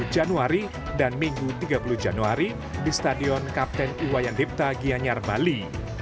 dua puluh januari dan minggu tiga puluh januari di stadion kapten iwayan dipta gianyar bali